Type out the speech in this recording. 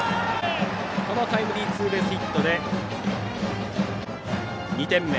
タイムリーツーベースヒットで２点目。